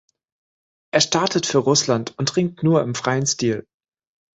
Er startet für Russland und ringt nur im freien Stil.